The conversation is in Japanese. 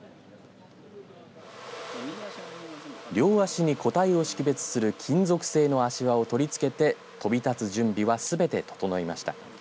両足に個体を識別する金属製の足環を取り付けて飛び立つ準備はすべて整いました。